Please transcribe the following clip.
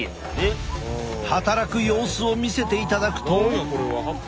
働く様子を見せていただくと。